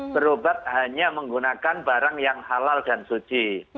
berobat hanya menggunakan barang yang halal dan suci